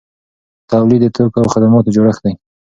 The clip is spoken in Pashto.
تولید د توکو او خدماتو جوړښت دی.